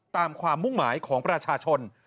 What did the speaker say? ตามความมุ่งหมายของประชาชน